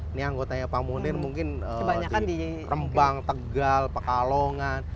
ini anggotanya pak munir mungkin di rembang tegal pekalongan